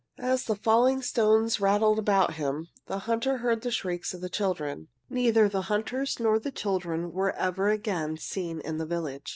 As the falling stones rattled about him the hunter heard the shrieks of the children. Neither the hunters nor the children were ever again seen in the village.